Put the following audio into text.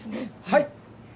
はい。